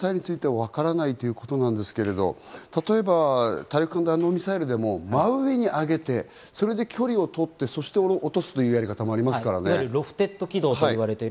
ミサイルについてはわからないということですが、例えば大陸間弾道ミサイルでも真上に上げて、それで距離をとって、そして落とすというやり方もあります。